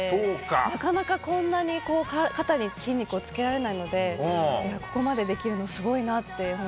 なかなか、こんなに肩に筋肉をつけられないのでここまでできるのすごいなって。